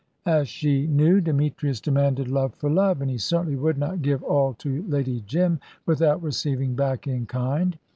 As she knew, Demetrius demanded love for love, and he certainly would not give all to Lady Jim without receiving back in kind.